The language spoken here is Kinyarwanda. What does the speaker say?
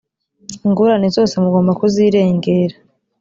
ingorane zose mugomba kuzirengera.